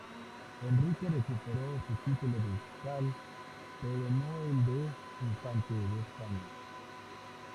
Enrique recuperó su título ducal, pero no el de "infante de España".